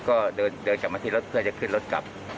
ก็เดินกลับมาที่รถเพื่อจะขึ้นรถกลับ